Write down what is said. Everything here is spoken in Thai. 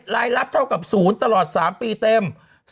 รายรับเท่ากับศูนย์ตลอด๓ปีเต็ม